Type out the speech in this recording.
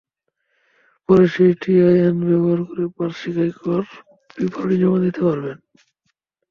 পরে সেই ই-টিআইএন ব্যবহার করে বার্ষিক আয়কর বিবরণী জমা দিতে পারবেন।